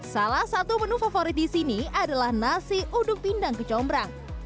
salah satu menu favorit di sini adalah nasi uduk pindang kecombrang